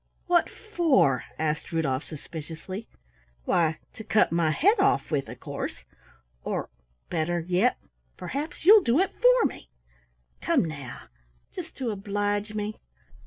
"What for?" asked Rudolf suspiciously. "Why, to cut my head off with, of course, or better yet, perhaps you'll do it for me. Come, now! Just to oblige me?"